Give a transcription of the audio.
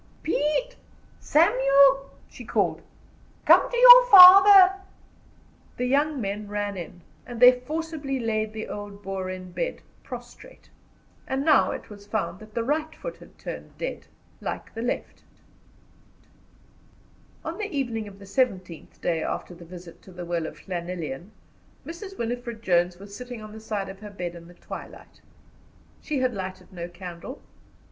"Pete! Samuel!" she called, "come to your father." The young men ran in, and they forcibly laid the old Boer in bed, prostrate. And now it was found that the right foot had turned dead, like the left. On the evening of the seventeenth day after the visit to the well of Llanelian, Mrs. Winifred Jones was sitting on the side of her bed in the twilight. She had lighted no candle.